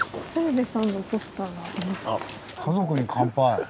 「家族に乾杯」。